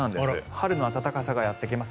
春の暖かさがやってきます。